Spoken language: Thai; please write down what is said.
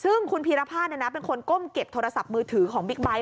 ซึ่งคุณพีรภาษเป็นคนก้มเก็บโทรศัพท์มือถือของบิ๊กไบท์